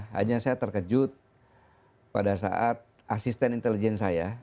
hanya saya terkejut pada saat asisten intelijen saya